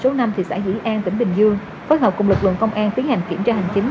số năm thị xã dĩ an tỉnh bình dương phối hợp cùng lực lượng công an tiến hành kiểm tra hành chính